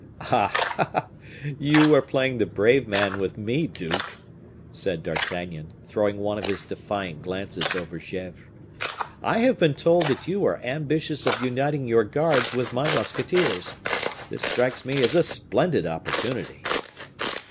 "Ah! ah! you are playing the brave man with me, duke!" said D'Artagnan, throwing one of his defiant glances over Gesvres. "I have been told that you are ambitious of uniting your guards with my musketeers. This strikes me as a splendid opportunity."